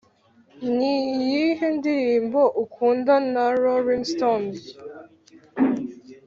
niyihe ndirimbo ukunda na rolling stones?